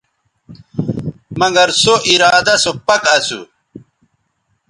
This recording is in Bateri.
مگر سو ارادہ سو پَک اسو